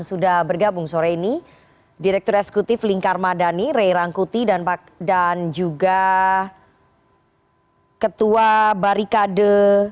sudah bergabung sore ini direktur eksekutif lingkar madani rey rangkuti dan juga ketua barikade sembilan puluh delapan